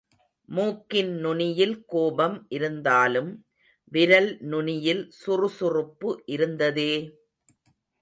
மூக்கின் நுனியில் கோபம் இருந்தாலும், விரல் நுனியில் சுறுசுறுப்பு இருந்ததே!...